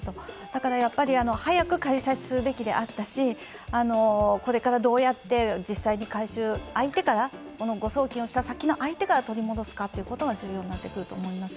だから早く仮差し押さえするべきだったし、これからどうやって実際に誤送金した先の相手から取り戻すかということが重要になってくると思います。